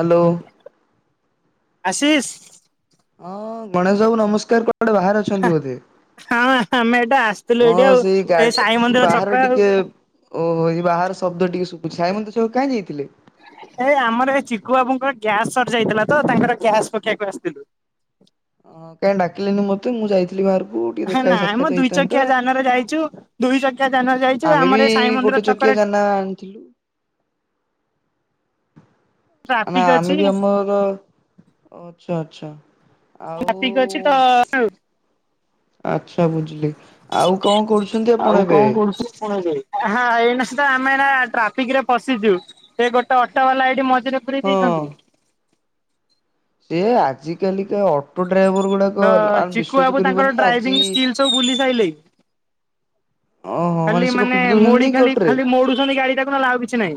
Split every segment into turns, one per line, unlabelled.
Hello.
Ashish?
ହଁ, ଗଣେଶ ବାବୁ ନମସ୍କାର କୁଆଡେ ବାହାରେ ଅଛନ୍ତି ବୋଧେ?
ହଁ ଆମେ ଏଇଟା ଆସିଥିଲୁ
ହଁ,
ଏଇଠି ଆଉ
ସେଇ
ଏଇ
ଗାଡି
ସାଇ
ସେ
ମନ୍ଦିର ଛକ
ବାହାରେ
ଆଉ।
ଟିକେ ଓହୋ, ଏଇ ବାହାର ଶବ୍ଦ ଟିକେ ଶୁବୁଛି ସାଇ ମନ୍ଦିର ସବୁ କାହିଁକି ଯାଇଥିଲେ?
ଏଇ ଆମର ଏ ଚିଖୁ ବାବୁଙ୍କ ଗ୍ୟାସ୍ ସରି ଯାଇଥିଲା ତ ତାଙ୍କର ଗ୍ୟାସ୍ ପକେଇବାକୁ ଆସିଥିଲୁ।
ଓହୋ, କାଇଁ ଡାକିଲନି ମତ୍ ତେ, ମୁଁ ଯାଇଥିଲି ବାହାରକୁ ଟିକେ ଦେଖା
ନାଇଁ ମ
ସାକ୍ଷାତ
ଦୁଇ ଚକିଆ
ହେଇଥାନ୍ତା।
ଯାନରେ ଯାଇଛୁ ଦୁଇ ଚକିଆ ଯାନରେ ଯାଇଛୁ
ଆମେ
ଆମର
ବି
ଏ ସାଇ ମନ୍ଦିର
ଗୋଟେ
ଛକରେ
ଚକିଆ ଯାନ ଆଣିଥିଲୁ। ଆମେ
ଟ୍ରାଫିକ ଅଛି
ଆମେ ବି ଆମର, ଆଛା ଆଚ୍ଛା। ଆଉ
ଟ୍ରାଫିକ୍ ଅଛିତ
ଆଚ୍ଛା ବୁଝିଲି, ଆଉ କଣ କରୁ
ଆଉ କଣ କରୁଚନ୍ତି ସମତେ? ହଁ ଏଇନା ସୁଦା ଆମେ ଏଇନା ଟ୍ରାଫିକ୍ ରେ ପଶିଚୁ। ସେ ଗୋଟେ ଅଟୋ ବାଲା ଏଠି ମଝ୍ ଭିତରେ ପୁରେଇ
ହଁ।
ଦେଇଥାନ୍ତି କି?
ସିଏ ଆଜି କାଲିକା ଅଟୋ ଡ୍ରାଇଭର ଗୁଡାକ୍
ତ ଚିକୁ ବାବୁ ତାଙ୍କର ଡ୍ରାଇଭିଂ ସ୍କିଲ୍ ସବୁ ବୁଲି ସାଇଲେଇ
ଓହୋ
ଖାଲି
ସିଏ କଣ
ମାନେ
ପିଟି ଦଉଛନ୍ତି
ମୋଡ଼ି
ନେଇକି
ଖାଲି
ଅଟୋରେ
ଖାଲି ମୋଡୁଛନ୍ତି ଗାଡି ତାକୁ ନହେଲେ ଆଉକିଛି କିଛି ନାଇଁ।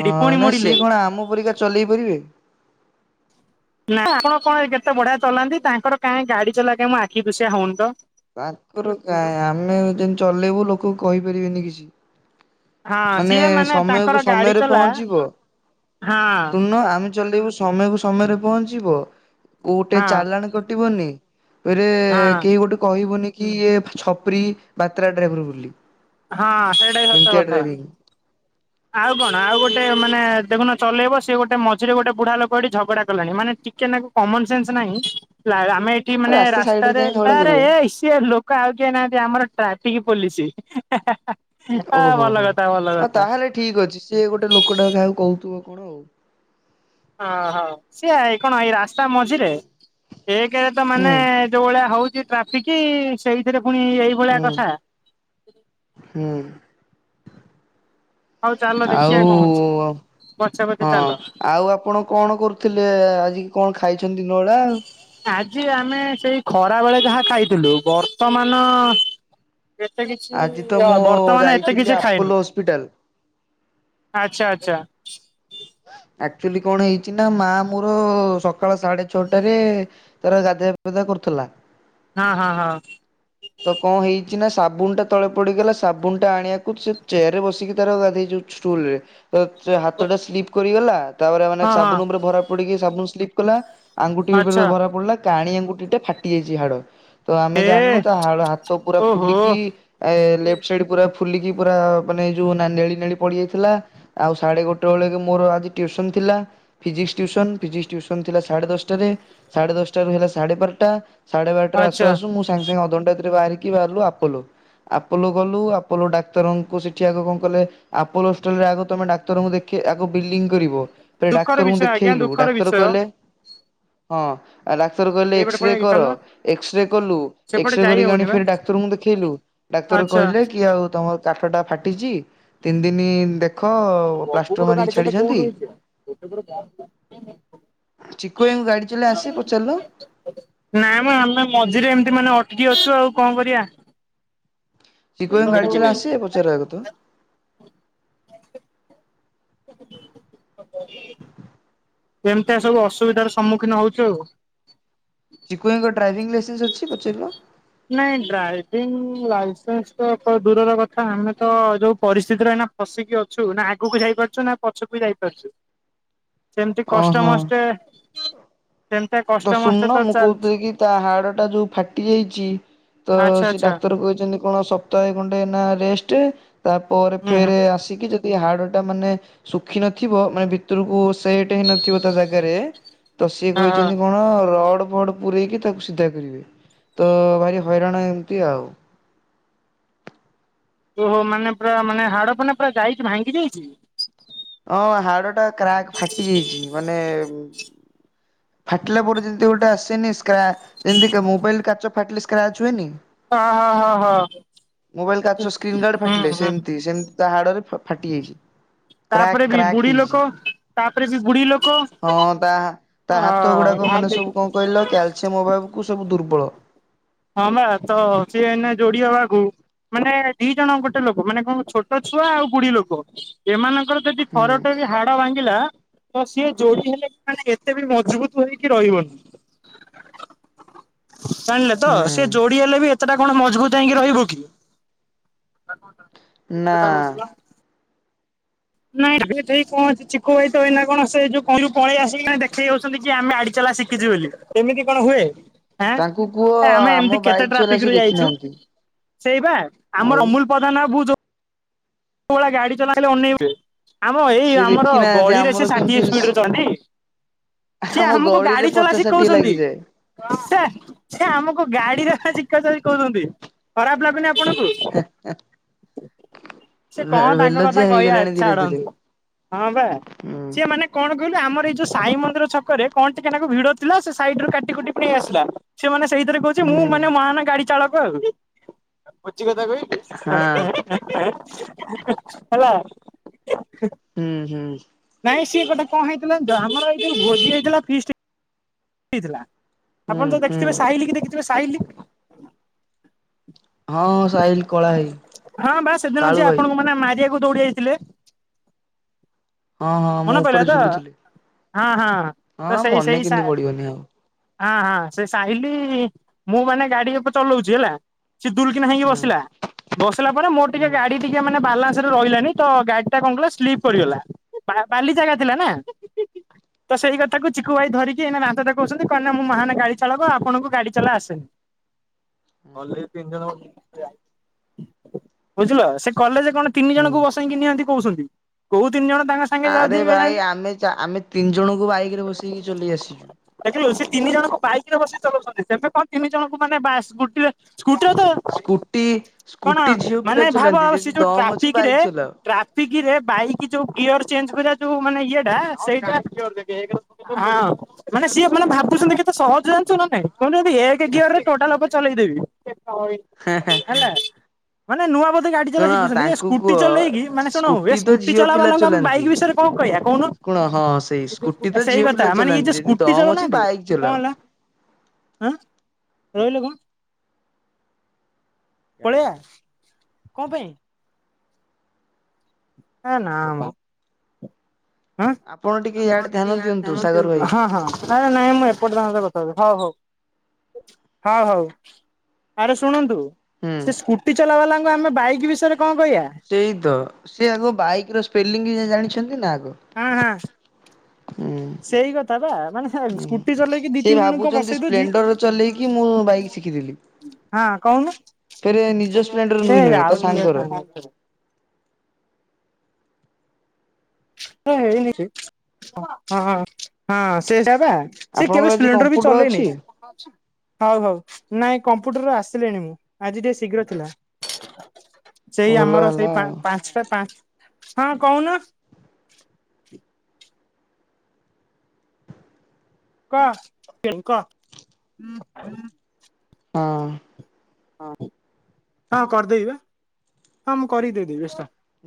ଅଁ ନାଇଁ ସିଏ କଣ ଆମ ପରିକା ଚଲେଇ ପାରିବେ?
ନାଁ ଆପଣ କଣ କେତେ ବଢିଆ ଚଲାନ୍ତି, ତାଙ୍କର କାହିଁ ଗାଡି ଚଲା ମୋ ଆଖି ଦୁଷିଆ ହଉନି ତ।
ତାଙ୍କର କାଁ ଆମେ ଯେମିତି ଚଲେଇବୁ ଲୋକ କହିପାରିବେନି କିଛି।
ହଁ
ମାନେ
ସିଏ
ସମୟକୁ
ତାଙ୍କର ଗାଡି
ସମୟରେ
ଚଲା
ପହଞ୍ଚିବ।
ହଁ
ଶୁଣୁନ, ଆମେ ଚଲେଇବୁ ସମୟକୁ ସମୟରେ ପହଞ୍ଚିବ। କୋଉଟେ
ହଁ
ଚାଲାଣ କଟିବନି। ଫେରେ
ହଁ
କେହି ଗୋଟେ କହିବୁନି କି ଇଏ ଛପୁରି ବାତ୍ରା ଡ୍ରାଇଭର ବୋଲି।
ହଁ, ସେଇଟା ବି
ସେମିତିଆ
ସତକଥା।
ଡ୍ରାଇଭିଂ
ଆଉ କଣ ଆଉ ଗୋଟେ ମାନେ ଦେଖୁନ ଚଲେଇବ ସିଏ ଗୋଟେ ମଝିରେ ଗୋଟେ ବୁଢା ଲୋକ ଏଠି ଝଗଡା କଲାଣି, ମାନେ ଟିକେନାକୁ କମନ୍ ସେନ୍ସ ନାହିଁ, ଲା ଆମେ ଏଠି
ଆଉ
ମାନେ
ରାସ୍ତା ସାଇଡରେ
ରାସ୍ତାରେ
ଯାଇ ଝଗଡା
ଆରେ
କରିବ।
ସିଏ ଲୋକ୍ ଲୋକ ଆଉ କିଏ ନାହାନ୍ତି, ଆମର ଟ୍ରାଫିକ୍ ପୋଲିସି ହା ହା।
ଓହୋ ହୋ ତାହେଲେ ଠିକ୍ ଅଛି, ସେ ଗୋଟେ ଲୋକଟା କାହାକୁ କହୁଥିବ କଣ ଆଉ।
ହଁ ହଁ, ସିଇ କଣ ଏଇ ରାସ୍ତା ମଝିରେ, ଏକେରେ ତ ମାନେ
ହୁଁ
ଯୋଉ ଭଳିଆ ହଉଚି ଟ୍ରାଫିକି, ସେଇଥିରେ ପୁଣି ଏଇ
ହୁଁ, ହୁଁ।
ହଉ ଚାଲ ଦେଖିବା
ଆଉ
କଣ ହଉଛି ପଛେ ପଛେ
ହଁ,
ଚାଲ।
ଆଉ ଆପଣ କଣ କରୁ ଥିଲେ, ଆଜି କଣ ଖାଇଛନ୍ତି ଦିନ ବେଳା?
ଆଜି ଆମେ ସେଇ ଖରା ବେଳେ ଯାହା ଖାଇଥିଲୁ। ବର୍ତ୍ତମାନ ଏତେ କିଛି,
ଆଜି ତ ମୁଁ
ବର୍ତ୍ତମାନ ଏତେ
ଯାଇଥିଲି
କିଛି
ଆପୋଲୋ
ଖାଇନୁ।
ହସ୍ପିଟାଲ।
ଆଚ୍ଛା, ଆଚ୍ଛା
ଆକ୍ଚୁଆଲି କଣ ହେଇଛି ନା, ମା ମୋର ସକାଳ ସାଢେ ଛଅଟାରେ ତାର, ଗାଧୁଆ ପାଧୁଆ କରୁଥିଲା
ହଁ ହଁ ହଁ
ତ କଣ ହେଇଚି ନା, ସାବୁନ ଟା ତଳେ ପଡିଗଲା ସାବୁନ ଟା ଆଣିବାକୁ ସେ ଚେୟାର ରେ ବସିକି ଧର ତାର ଗାଧେଇ ଯୋଉ ଷ୍ଟୁଲ୍ ରେ ହାତଟା ସ୍ଲିପ୍ କରିଗଲା, ତାପରେ ମାନେ
ହଁ ହଁ ହଁ
ସାବୁନ ଉପରେ ଭରା ପଡିକି ସାବୁ ସ୍ଲିପ୍ କଲା ଆଙ୍ଗୁଟି
ଆଚ୍ଛା
ଉପରେଭରା ପଡ଼ିଲା କାଣି ଆଙ୍ଗୁଟିଟା ଫାଟିଯାଇଚି ହାଡ଼, ତ ଆମେ
ଏ
ଜାଣିନୁ ତ ହାଡ ହାତ ପୁରା
ଓହୋ
ଫୁଲିକି ଏ ଲେପ୍ ସାଇଡି ପୁରା ଫୁଲିକି ପୁରା ମାନେ ଯୋଉ ନେଳି ନେଳି ପଡିଯାଇଥିଲା ଆଉ ସାଢେ ଗୋଟେ ବେଳେ କେ ମୋର ଆଜି ଟିଉସନ୍ ଥିଲା ଫିିଜିକ୍ସି ଟିଉସନ୍ ଫିଜିକ୍ସି ଫିଉସନ୍ ଥିଲା ସାଢେ ଦଶଟାରେ ସାଢେ ଦଶଟ ରୁ ହେଲା ସାଢେ ବାରଟା ସାଢେ ବାରେଟାରେ ଆସୁ
ଆଚ୍ଛା
ଆସୁ ମୁଁ ସାଙ୍ଗେ ସାଙ୍ଗେ ଅଧଘଣ୍ଟା ଭିତରେ ବାହାରିକି ବାହାରିଲୁ ଆପୁଲୁ ଆପୁଲୁ ଗଲୁ ଆପୋଲୋ ଡାକ୍ତରଙ୍କୁ ସେଠି ଆଗ କଣ କଲେ ଆପୋଲୋ ହଷ୍ଟେଲ୍ ରେ ଆଗ ତମେ ଡାକ୍ତରଙ୍କୁ ଦେଖେ ଆଗ ବିଲିଙ୍ଗ୍ କରିବ ତ
ଦୁଃଖର
ଡାକ୍ତରଙ୍କୁ
ବିଷୟ ଆଜ୍ଞା
ଦେଖେଇଲୁ
ଦୁଃଖର
ଡାକ୍ତର
ବିଷୟ
କହିଲେ ହଁ, ଆ, ଡାକ୍ତର କହିଲେ
ଏଇପଟେ
ଏକ୍ସ୍ରେରା
ପଳେଇ ଆଜ୍ଞା
କର
ଚାଲୁନ।
ଏକ୍ସ୍ରରା କଲୁ
ସେପଟେ
ଏକ୍ସରା
ଯାଇ
କରିକି
ହବନି
ଆଣିକି
ବା
ଫେଣି ଡାକ୍ତରଙ୍କୁ ଦେଖେଇଲୁ ଡାକ୍ତର
ଆଚ୍ଛା
କହିଲେ ଆଉ ତମର କାଠ ଟା ଫାଟିଛି ତିନି ଦିନ ଦେଖ
ଆ ବବୁ
ପ୍ଲାଷ୍ଟର
କୋଡେ
ମାରିକି
କଣିଛ
ଛାଡ଼ିଛନ୍ତି
କଉଠି ହେ [unintelligible]
ଚିକୁ ଗାଡି ଚଲେଇ ଆସି ପଚାରିଲୁ
ନାଇଁ ମ ଆମେ ମଝିରେ ଏମିତି ମାନେ ଅଟିକି ଆଛୁ ଆଉ କଣ କରିବା
ସି [unintelligible] କହ ଗାଡି ଚଲା
ସବୁ
ଆସିବେ ପଚାରିବାକୁ ତ
[unintelligible] ଏମିତି ସବୁ ଅସୁବିଧାର ସମ୍ମୁଖୀନ ହଉଛୁ ଆଉ
ଚିକୁଇଙ୍କ ଡ୍ରାଇଭିଂ ଲାଇସେନ୍ସ ଅଛି ପଚାରିବା
ନାଇଁ ଡ୍ରାଇଭିଂ ଲାଇସେନ୍ସ ତ ଏକ ଦୂରର କଥା ଆମେ ତ ଯୋଉ ପରିସ୍ଥିତି ରହନା ହସିକି ଅଛୁ ନା ଆଗକୁ ଯାଇ ପାରୁଛୁ ନା ପଛକୁ ବି ଯାଇପାରୁଛୁ
[inaudible]
ସେମିତି କଷ୍ଟ
ଓହୋ
ମସ୍ତେ ସେମିତି
ତ
କଷ୍ଟ
ଶୁଣୁନ
ମଷ୍ଟେ ତ
ମୁଁ କହୁଥିଲି
ଚାଲିଛି
କି ତା ହାଡ଼ ଟା ଯୋଉ ଫାଟି ଯାଇଛି ତ
ଆଚ୍ଛା
ସେ
ଆଚ୍ଛା
ଡାକ୍ତର କହିଛନ୍ତି କଣ ସପ୍ତାହେ ଘଣ୍ଟେ ନା ରେଷ୍ଟ ତାପରେ
ହୁଁ ହୁଁ।
ଫେର ଆସିକି ସେ ହାଡ ଟା ମାନେ ଶୁଖି ନଥିବ ମାନେ ଭିତରକୁ ସେଟ ହେଇନଥିବ ତା ଜାଗାରେ ତଶ
ହଁ
କହି
ହଁ
କପଣ ରଡ ଫଡ ପୂରେଇକି ତାକୁ ସିଧା କରିବେ ତ ଭାରି ହଇରାଣ ଏମିତି ଆଉ
ତୁହୋ ମାନେ ପୁର ମେ ହାଡ ମାନେ ପୁରା ଯାଇକି ଭାଙ୍ଗି ଯାଇଛି
ହଁ ହାଡ ଟା କ୍ରାକ୍ ଫାଟି ଯାଇଛି ମାନେ ଫାଟିଲା ପରେ ଯେମିତି ଗୋଟେ ଆସେନି ସ୍କ୍ରା ଯେମିତି ମୋବାଇଲ କାଚ ଫାଟିଲେ ସ୍କ୍ରାଚ ହୁଏନି
ହଁ ହଁ ହଁ ହଁ
ମୋବାଇଲ କାଚ ସ୍କ୍ରିନ୍ ଗାର୍ଡ
ହୁଁ
ଫାଟିଲେ
ହଁ
ସେମିତି ସେମିତି ତା ହାଡରେ ଫାଟି ଯାଇଛି କ୍ରାକ୍
ତାପରେ ବି
କ୍ରାକ୍
ବୁଢୀ ଲୋକ
ହେଇଛି
ତାପରେ ବି ବୁଢୀ ଲୋକ
ହଁ ତା ତା ହାତ ଗୁଡ଼ାକ ମାନେ
ଅ
ସବୁ କ କହିଲ କ୍ୟାଲସିୟମ ଅଭାବକୁ ସବୁ ଦୁର୍ବଳ
ହଁ ବା ତ ସିଏ ଏନେ ଯୋଡି ହବାକୁ ମାନେ ଦି ଜଣ ଗୋଟେ ଲୋକ ମାନେ କଣ ଛୋଟ ଛୁଆ ଆଉ ବୁଡିୀ ଲୋକ ଏମାନଙ୍କର ଯଦି
ହୁଁ
ଫରଟ ହାଡ ଭାଙ୍ଗିଲା ତ ସିଏ ଯୋଡି ହେଲେ ମାନେ ଏତେ ବି ମଜବୁତ ହେଇକି ରହିବନି।
[inaudible]
ଜାଣିଲେ ତ ସେ ଯୋଡି ହେଲେ ବି ଏତେଟା କଣ ମଜବୁତ୍ ହେଇକି ରହିବ କି?
ନା।
ନାଇଁ ସେଇ କଣ କିଛି କହି ଥୋଇ ନା କଣ ସେ ଯୋଉ କହିଲୁ ପଳେଇ ଆସିକି ଦେଖେଇ ହେଉଚନ୍ତି କି ଆମେ ଆଡି ଚଲା ଶିଖ କିଛି ବୋଲି ଏମିତି କଣ ହୁଏ?
ତାଙ୍କୁ କୁହ
ଆଁ ଆମେ
ଆମ
ଏମତି କେତେ
ବାଇକ୍ ଚଲା
ଟ୍ରାଫିକ
ସିଏ
ରେ ଯାଇଚୁ।
ଦେଖିନାହାନ୍ତି
ସେଇ ବା
ଆଉ
ଆମର ଅମୁଲ ପ୍ରଧାନ ବାବୁ ଯୋଉ କୋଉ ଭଳିଆ ଗାଡି ଚଲାଇଲେ ଅନେଇବ ଆମ ଏଇ
ସିଏ
ଆମର
ଦେଖିନାହାନ୍ତି
ଗଳିରେ
ଆମର
ସେ ଷାଠିଏ
କେମିତି
ସ୍ପିଡ୍ ରେଚଲାନ୍ତି। ସିଏ
ଆମ
ଆମକୁ
ଗଳିରେ
ଗାଡି ଚଲା
ପଚାଶ ଷାଠିଏ
ଶିକୋଉଚନ୍ତି।
ଲାଗିଯାଏ।
ସେ ଆମକୁ ଗାଡିରେ ସେ ଚିକାଚିକି କରନ୍ତି। ଖରାପ୍ ଲାଗୁନି ଆପଣଙ୍କୁ?
ଏ।
ସେ କଣ ତାଙ୍କ କଥା କହିବା ଛାଡନ୍ତୁ। ହଁ ବା
ହୁଁ
ସିଏ ମାନେ କଣ କହିଲୁ ଆମର ଏଇ ଯୋଉ ସାଇ ମନ୍ଦିର ଛକରେ କଣ ଟିକିଏ ନାକୁ ଭିଡ ଥିଲା। ସେ ସାଇଡ୍ ରୁ କାଟି କୁଟିକି ନେଇ ଆସିଲା। ସେ ମାନେ ସେଇଥିରେ କହୁଚି
ହୁଁ
ମୁଁ ମାନେ ମହାନ ଗାଡି ଚାଳକ ଆଉ। ଭୋଜିକଥା କହିବି।
ହଁ।
ହେଲା।
ହୁଁ ହୁଁ।
ନାଇଁ ସିଏ ଗୋଟେ କଣହେଇଥିଲା ଆମର ଏଇ ଯୋଉ ଭୋଜି ହେଇଥିଲାଫିଷ୍ଟି ଥିଲା।
ହୁଁ
ଆପଣ ତ
ହୁଁ
ଦେଖିଥିବେ ସାହିିଲି କି ଦେଖିଥିବେ ସାହିିଲି।
ହଁ ସାହିଲ କଳା ଭାଇ
ହଁ ବା ସେଦିନ
କାଳୁ
ଯିଏ
ଭାଇ
ଆପଣଙ୍କୁ ମାନେ ମାରିବାକୁ ଦୌଡି ଯାଇଥିଲେ।
ହଁ ହଁ ମୋ
ମନେ
ଉପରେ
ପଇଲାତ?
ଝୁଲୁଥିଲେ
ହାଁ ହାଁ।
ହଁ ମନେ କିମିତି ପଡିବନି ଆଉ।
ହଁ ହଁ ସେ ସାହିିଲି ମୁଁ ମାନେ ଗାଡି ଏବେ ଚଲଉଚି। ହେଲା? ସିଏ ଦୁଲକିନା ହେଇକି
ହୁଁ
ବସିଲା। ବସିଲା ପରେ ମୋର
ହୁଁ
ଟିକିଏ ଗାଡି ଟିକିଏ ମାନେ ବାଲାନ୍ସରେ ରହିଲାନି ତ ଗାଡି ଟା କଣ କଲା ସ୍ଲିପ୍ ପଡିଗଲା। ବା ବାଲି ଜାଗା ଥିଲା ନା।
ହ [inaudible]
ତ ସେଇ କଥାକୁ ଚିକୁୁ ଭାଇ ଧରିକି ଏଇନା ଦାନ୍ତ ଦେଖୋଉଚନ୍ତି କଣ ନା ମୁଁ ମୋହାନ ଗାଡି ଚାଳକ ଆପଣଙ୍କୁ ଗାଡି ଚଲା ଆସେନି।
[inaudible]
କଲେଜେ ତିନିଜଣ ବୁଜିଆ। ବୁଝିଲ ସେ କଲେଜ କଣ ତିନି
ହୁଁ
ଜଣଙ୍କୁ ବସେଇକି ନିଅନ୍ତି କହୁଚନ୍ତି। କୋଉ ତିନି ଜଣ ତାଙ୍କ ସାଙ୍ଗେ
ଆରେ
ଯାଉଛି କେଜାଣି
ଭାଇ ଆମେଚା ଆମେ ତିନି ଜଣଙ୍କୁ ବାଇକ୍ ରେ ବସେଇକି ଚଲେଇ ଆସିଛି।
ଦେଖିଲୁ ସେ ତିନି ଜଣଙ୍କୁ ବାଇକ୍ ରେ ବସେଇକି ଚଲଉଛନ୍ତି। ତେମେ କଣ ତିନି ଜଣଙ୍କୁ ମାନେ ବା ସ୍କୁଟିରେ ସ୍କୁଟିରେ ତ
ସ୍କୁଟି
କଣ
ସ୍କୁଟି ଝିଅ ପିଲା
ମାନେ ଭାବ
ଚଲାନ୍ତି ଯଦି
ଆଉସେ ଯୋଉ
ଦମ ଅଛି
ଟ୍ରାଫିକ୍
ବାଇକ
ରେଟ୍ରା
ଚଲାଅ
ଟ୍ରାଫିକ୍ ରେ ବାଇକ୍ ଯୋଉ ଗିୟର ଚେଞ୍ଜ କରିବା ଯୋଉ ମାନେ ଇଏଟା ସେଇଟା ହଁ ମାନେ ସିଏ ମାନେ ଭାବୁଚନ୍ତି କେତେ ସହଜ ଜାଣିଚୁ ନା ନାଇଁ? ମତେବି ଏକ ଗିୟର ରେ ଟୋଟାଲ ଓପୋରେ ଚଲେଇଦେବି।
ହେଁ ହେଁ।
ହେଲା ମାନେ ନୂଆ ବୋଧେ ଗାଡି ଚଲା
ଶୁଣ
ଶିଖୁଛନ୍ତି ଏ
ତାଙ୍କୁ
ସ୍କୁଟି
କୁହ
ଚଲେଇକି ମାନେ ଶୁଣୁ ଏ
ସ୍କୁଟି ତ ଝିଅ
ଚଲା
ପିଲା
ବାଲାଙ୍କୁ ଆମେ ବାଇକ
ଚଲାନ୍ତି।
ବିଷୟରେ କଣ କହିବା କହୁନୁ?
କୁହ ହଁ ସେଇ ସ୍କୁଟି ତ
ସେଇ
ଝିଅ
କଥା
ପିଲା
ମାନେ ଇଏ ଯୋଉ
ଚଲାନ୍ତି ଯଦି
ସ୍କୁଟି
ଦମ ଅଛି
ଚଲଉନାହାନ୍ତି
ବାଇକ୍
କଣ
ଚଲାଅ। ହଁ
ହେଲା
[inaudible]
ଆଁ ରହିଲୁ କଁ? ପଳିବା କଁ ପାଇଁ? ହେ ନାମୋ? ଆଁ
ଟିକେ
ଆପଣ
ଇଆଡେ ଧ୍ୟାନ
ଟିକେ ଇଆଡ଼େ
ଦିଅନ୍ତୁ
କାନ
ସାଗର ଭାଇ
ଦିଅନ୍ତୁ ହଁ ହଁ ନାଇଁ ମୁଁ ଏପଟେ ତାଙ୍କ କଥା ହଉ ହଉ। ହଉ ହଉ ଆରେ ଶୁଣନ୍ତୁ?
ହୁଁ।
ସେ ସ୍କୁଟି ଚଲାବାଲାଙ୍କୁ ଆମେ ବାଇକ୍ ବିଷୟରେ କଁ କହିବା।
ସେଇତ ସେ ଆଗ ବାଇକର ସ୍ପେଲିଂ ଜାଣିଛନ୍ତିନା ଆଗ?
ହଁ ହଁ
ହୁଁ
ସେଇ କଥାବା। ମାନେ କଁ
ହୁଁ।
ସ୍କୁଟି ଚଲେଇକି ଦି
ସେ
ତିନି ଜଣଙ୍କ କଁ
ଭାବୁଛନ୍ତି
ବସେଇ ଦଉଚି
ସ୍ପ୍ଲେଣ୍ଡର ଚଲେଇକି ମୁଁ ବାଇକ୍ ଶିଖିଥିଲି।
ହଁ କହୁନୁ
ଫେରେ ନିଜ ସ୍ପ୍ଲେଣ୍ଡର ବି ନୁହେଁ ତା ସାଙ୍ଗର।
[unintelligible] ହ ହେଇନିକି ହଁ ହଁ ସେଇଟାବା। ସେ
ଆପଣଙ୍କର
କେବେ
ଆଜି
ସ୍ପିଲଣ୍ଡରବି
କମ୍ପ୍ୟୁଟର
ଚଲେଇନି।
ଅଛି
ହଉ ହଉ ନାଇଁ କମ୍ପ୍ୟୁଟରରୁ ଆସିଲେଣି ମୁଁ ଆଜି ଟିକେ ଶୀଘ୍ର ଥିଲା।
[inaudible]
ସେଇ ଆମର
ହେଲା
ସେଇ ପା
ଆଉ
ପାଞ୍ଚଟା ପାଞ୍ଚ ହଁ କହୁନ। କ ହୁଁ କଁ।
ହଁ।
ହଁ କରିଦେଇବା। ହଁ ମୁଁ କରିଦେଇଦବି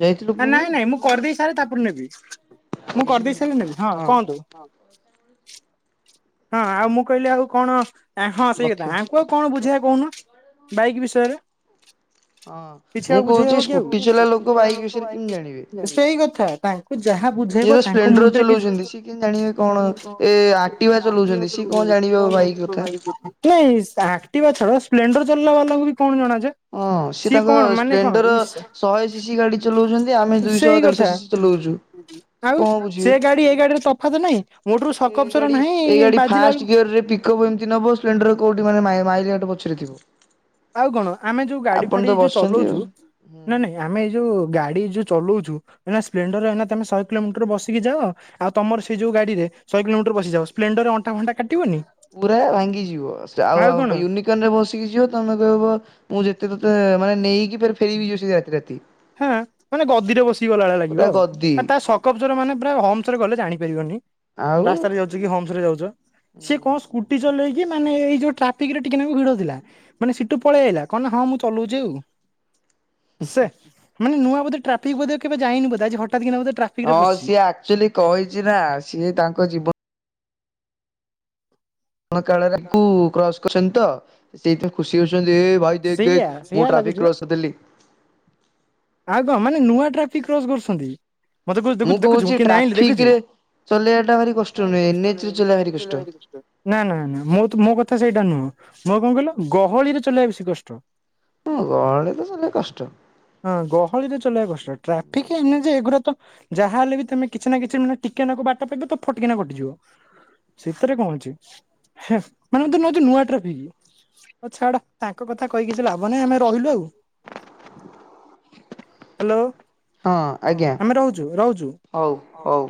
ଯାଇଥିଲୁ ଉପରକୁ
ନାଇଁ ନାଇଁ ମୁଁ କରିଦେଇ ସାରେ ତାପରେ ନେବି। ମୁଁ କରିଦେଇ ସାରିଲେ ନେବି ହଁ କୁହନ୍ତୁ। ହଁ ଆଉ ମୁଁ କହିଲି ଆଉ କଣ ହଁ ସେଇ
ଲକ୍ଷ।
କଥା ଆଙ୍କୁ ଆଉ କଣ ବୁଝେଇବା କହୁନ ବାଇକ୍ ବିଷୟରେ।
ହଁ
କିଛି
ମୁଁ
ଆଉ ବୁଝେଇ
କହୁଛି
ହବକି ଆଉ
ଚଲା
ସ୍କୁଟି
ଲୋକ
ଚଲିବା ଲୋକା
ବିଷୟରେ
ବାଇକ୍
କେମିତି ଜାଣିବେ?
ବିଷୟରେ ସେଇ କଥା ତାଙ୍କୁ ଯାହା
ଇଏ
ବୁଝେଇବ
ତ
ତାଙ୍କ
ସ୍ପ୍ଲେଣ୍ଡର
ମୁଣ୍ଡରେ
ଚଲଉଛନ୍ତି
କିଛି
କଟିବା ଚଲାଉଛନ୍ତି ସିଏ କଣ ଜାଣିବ ବାଇକ୍ କଥା।
ନାଇଁ ଆକ୍ଟିବା ଛାଡ ସ୍ପ୍ଲେଣ୍ଡର ଚାଲିଲା ବାଲାଙ୍କୁବି କଣ ଜଣାଯେ।
ହଁ ସିଏ ତାଙ୍କ ସ୍ପ୍ଲେଣ୍ଡର ଶହେ ସି ସି ଗାଡ଼ି ଚଲଉଚନ୍ତି ଆମେ
ସେଇ
ଦୁଇଶହ
କଥା
ଦେଢ଼ଶହ ସିସିି ଚଲଉଚୁ।
ଆଉ ସେଗାଡ଼ି ଏଇ ଗାଡ଼ିରେ ତଫାତ ନାହିଁ ମୋଟୋରୁ
ଏ
ଶକଫସର
ଗାଡି
ନାହିଁ
ଏଇ ଗାଡି
ବାଜିଲା
ଫାଷ୍ଟ
ବେଳକୁ
ଗିୟରରେ ପିକ୍ଅପ୍ ଏମିତି ନବ ସ୍ପଣ୍ଡର କୋଉଠି ମାନେ ମାଇଲା ପଛରେ ଥିବ।
ଆଉ କଣ ଆମେ ଯୋଉ ଗାଡ଼ି
ଆପଣ ତ
ଫାଡ଼ି ଏଇଯୋଉ
ବସିଛନ୍ତି ଆଉ
ଚଲଉଚୁ
ହୁଁ
ନାଇଁ ନାଇଁ ଆମେ ଏଇଯୋଉ ଗାଡ଼ି ଯୋଉ ଚଲଉଚୁ ସ୍ପ୍ଲେଣ୍ଡର ଏ ତମେ ଶହେ କିଲୋମିଟର୍ ବସିକି ଯାଅ ଆଉ ତମର ସେଇ ଯୋଉ ଗାଡ଼ିରେ ଶହ କିଲୋମିଟର୍ ବସିକିଯାଅ ସ୍ଲେଣ୍ଡରେ ଅଣ୍ଟା ଫଣ୍ଟା କାଟିବନି।
ପୁରା ଭାଙ୍ଗିଯିବ ସା
ଆଉ
ଆ
କଣ
ଇୟୁନି ରେ ବସିକି ଯିବ ତମେ କହିବ ମୁଁ ଯେତେ ତତେ ମାନେ ନେଇକି ଫେରିବି [unintelligible] ରାତି ରାତି
ହଁ ମାନେ ଗଦିରେ ବସିକି ଗଲା ଭଳିଆ
ପୁରା
ଲାଗିବ।
ଗଦି
ଆ ତା ସ୍କପଚର ମାନେ ପୁରା ହମସରେ ଗଲେ ଜାଣିପାରିବନି।
ଆଉ
ହମସରେ ଯାଉଚ ସେକଣ ସ୍କୁଟି ଚଲେଇକି ମାନେ ଏଇ ଯୋଉ ଟ୍ରାଫିକିରେ ଟିକେ ନାଗୁରୁ ଭିଡ଼ ଥିଲା। ମାନେ ସେଠୁ ପଳେଇଆଇଲା କଣନା ହଁ ମୁଁ ଚଲଉଚି ଆଉ। ସେ ମାନେ ନୂଆ ବୋଧ ଟ୍ରଫିକ ବୋଧେ ଯାଇନି ବୋଧ ଆଜି ହଠାତ୍ କିନା ବୋଧେ ଟ୍ରାଫକ
ହଁ ସିଏ ଆକ୍ଚୁଆଲି କହିଚିନା ସିଏ ତାଙ୍କ ଜୀବ କଣ କାଳକୁ କ୍ରସ କରିଚନ୍ତିତ ସେଇଥିାଇଁ ଖୁସି ହଉଚନ୍ତି ଏ ଭାଇ ଦେଖ
ସେଇଆ
ଦେଖ
ସେଇଆ
ମୁଁ
ଲାଗୁଛି
ଟ୍ରାଫିକ୍ କ୍ରସ କରିଦେଲି।
ଆଉକଁ ମାନେ ନୂଆ ଟ୍ରାଫିକ କ୍ରସ କରୁଛନ୍ତି ମତେ ଦେଖୁଛୁଁ ଦେଖୁଛୁଁ ମୁକେମିତି ଆଇଲି ଦେଖୁଛୁ।
ଚଲେଇବାଟା ଭାରି କଷ୍ଟ ନୁହେଁ ଏନ୍ ଏଚରେ ଚଲେଇବା ଭାରି କଷ୍ଟ।
ନା ନା ନା ମୁଁ ତୁମୋ କଥା ସେଇଟା ନୁହଁ ମୋ କଣ କହିଲ ଗହଳିରେ ଚଲେଇବା ବେଶୀ କଷ୍ଟ।
ହଁ ଗହଳିରେ ଚଲେଆ କଷ୍ଟ।
ହଁ ଗହଳିରେ ଚଲେଇବା କଷ୍ଟ ଟ୍ରାଫିକ ଏନ ଏଚ ଯେ ଏଗୁରା ତ ଯାହାହେଲେ ବି ତମେ କିଛି ନା କିଛି ମାନେ ଟିକେନାକୁ ବାଟ ପାଇବ ତ ଫଟକିନା କଟିଯିବ। ସେତରେ କଣ ଅଛି ମାନେ ତୁ ନେଉଚୁ ନୂଆ ଟ୍ରାଫିକ ଆଉ ଛାଡ ତାଙ୍କ କଥା କହି କିିଛି ଲାଭ ନାହିଁ ଆମେ ରହିଲୁ ଆଉ
[inaudible]
ହ୍ୟାଲୋ
ହଁ ଆଜ୍ଞା
ଆମେ ରହୁଛୁ ରହୁଛୁ।
ହଉ ହଉ।